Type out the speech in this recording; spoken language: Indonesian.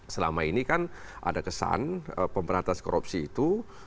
selama ini kan ada kesan pemberantasan korupsi itu